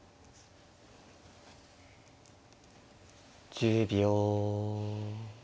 １０秒。